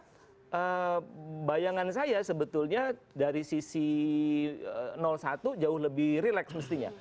nah bayangan saya sebetulnya dari sisi satu jauh lebih relax mestinya